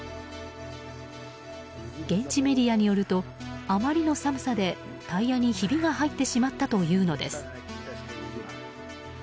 現地メディアによるとあまりの寒さでタイヤにひびが入ってしまったというのです。